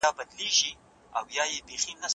د سولي تړون د دواړو خواوو لخوا لاسليک سو.